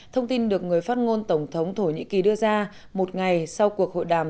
thông tin được người phát ngôn tổng thống thổ nhĩ kỳ đưa ra một ngày sau cuộc hội đàm